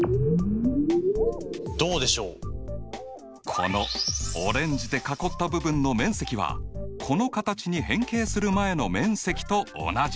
このオレンジで囲った部分の面積はこの形に変形する前の面積と同じ。